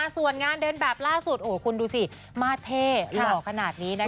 ส่วนงานเดินแบบล่าสุดคุณดูสิมาเท่หล่อขนาดนี้นะคะ